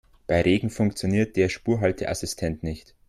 Bei Regen funktioniert der Spurhalteassistent nicht.